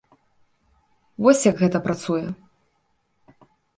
Вось як гэта працуе.